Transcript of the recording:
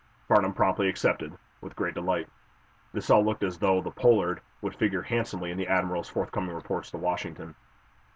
Farnum promptly accepted, with great delight. This all looked as though the "Pollard" would figure handsomely in the admiral's forthcoming reports to Washington.